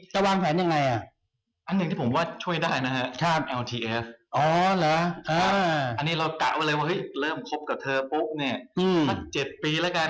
ช้าไปคุณมาร์คเดี๋ยวนี้คือ๒วันเขาก็เซลล่อแล้ว